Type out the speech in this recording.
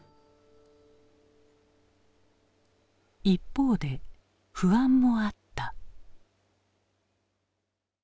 一方で不安もあった。